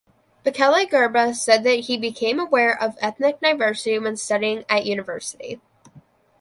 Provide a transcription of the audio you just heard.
Bekele Gerba said that he became aware of ethnic diversity when studying at university.